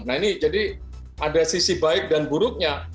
nah ini jadi ada sisi baik dan buruknya